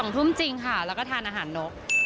๒ทุ่มจริงค่ะแล้วก็ทานอาหารนก